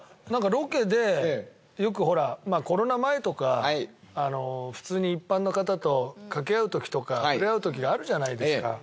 ロケでよくほらコロナ前とか普通に一般の方と掛け合うときとかふれあうときがあるじゃないですか。